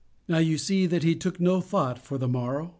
"Now you see that He took no thought for the morrow.